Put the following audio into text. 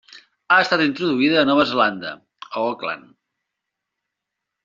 Ha estat introduïda a Nova Zelanda, a Auckland.